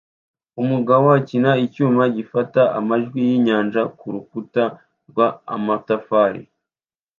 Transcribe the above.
Umugabo akina icyuma gifata amajwi yinyanja kurukuta rw'amatafari